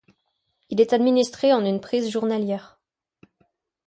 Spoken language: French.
Il est administré en une prise journalière.